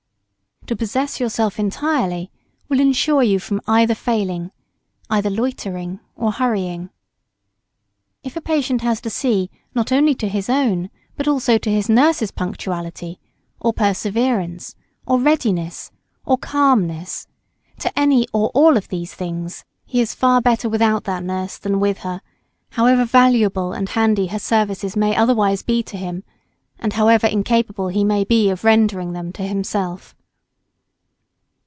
To possess yourself entirely will ensure you from either failing either loitering or hurrying. [Sidenote: What a patient must not have to see to.] If a patient has to see, not only to his own but also to his nurse's punctuality, or perseverance, or readiness, or calmness, to any or all of these things, he is far better without that nurse than with her however valuable and handy her services may otherwise be to him, and however incapable he may be of rendering them to himself.